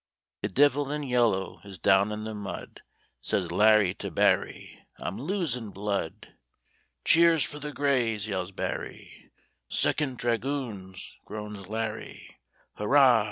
The divil in yellow is down in the mud!" Sez Larry to Barry, "I'm losin' blood." "Cheers for the Greys!" yells Barry; "Second Dragoons!" groans Larry; Hurrah!